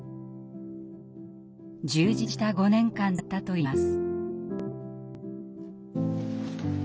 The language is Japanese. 充実した５年間だったといいます。